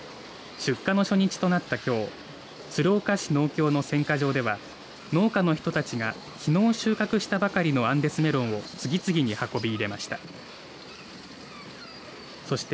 出荷の初日となった、きょう鶴岡市農協の選果場では農家の人たちが、きのう収穫したばかりのアンデスメロンを次々に運び入れました。